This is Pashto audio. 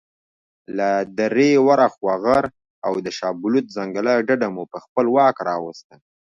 له درې ورهاخوا غر او د شابلوط ځنګله ډډه مو په خپل واک راوسته.